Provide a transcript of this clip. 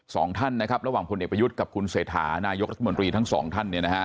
สองท่านนะครับระหว่างผลเอกประยุทธ์กับคุณเศรษฐานายกรรมดรีทั้งสองท่าน